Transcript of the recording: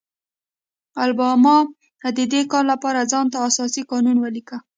الاباما د دې کار لپاره ځان ته اساسي قانون ولیکه.